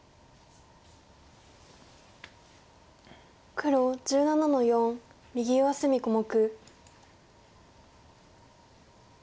黒１７の四右上隅小目。